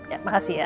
ya terima kasih ya